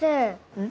うん？